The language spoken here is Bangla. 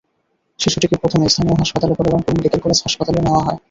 শিশুটিকে প্রথমে স্থানীয় হাসপাতাল, পরে রংপুর মেডিকেল কলেজ হাসপাতালে নেওয়া হয়।